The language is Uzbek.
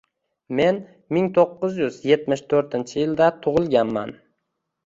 Men ming to’qqiz yuz yetmish to’rtinchi yilda tug‘ilganman.